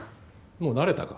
もう慣れたか。